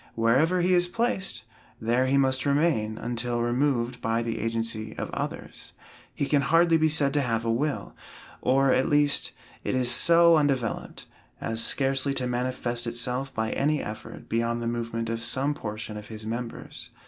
Wherever he is placed, there he must remain until removed by the agency of others. He can hardly be said to have a will, or, at least, it is so undeveloped, as scarcely to manifest itself by any effort beyond the movement of some portion of his members.